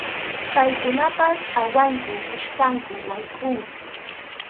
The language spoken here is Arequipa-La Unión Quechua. Paykunapas awaqku, puskaqku, waykʼuqku.